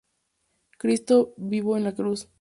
Cristo vivo en la Cruz.